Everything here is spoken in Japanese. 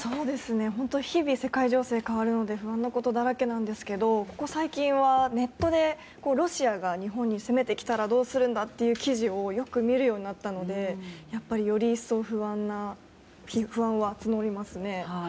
本当に日々、世界情勢が変わるので不安なことばかりですけどここ最近はネットでロシアが日本に攻めてきたらどうするんだという記事をよく見るようになったのでより一層不安は募りますね。